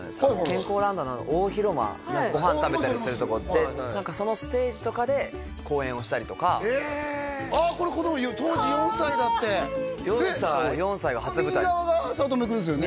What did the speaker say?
健康ランドの大広間ご飯食べたりするところで何かそのステージとかで公演をしたりとかこれ子供当時４歳だって４歳が初舞台右側が早乙女君ですよね？